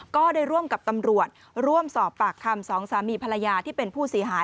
ก็ได้ร่วมกับตำรวจร่วมสอบปากคำสองสามีภรรยาที่เป็นผู้เสียหาย